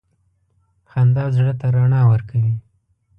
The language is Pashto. • خندا زړه ته رڼا ورکوي.